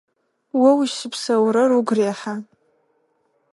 О узыщыпсэурэр угу рехьа?